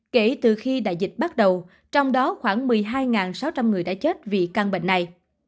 kể từ khi đại dịch bắt đầu trong đó khoảng một mươi hai sáu trăm linh người đã chết vì căn bệnh này